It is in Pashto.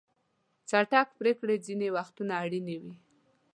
چټک پریکړې ځینې وختونه اړینې وي.